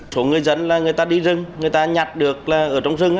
số người dân là người ta đi rừng người ta nhặt được là ở trong rừng